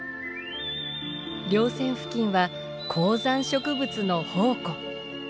稜線付近は高山植物の宝庫。